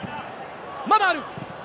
まだある。